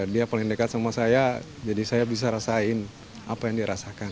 dia paling dekat sama saya jadi saya bisa rasain apa yang dia rasakan